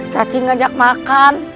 cacing ajak makan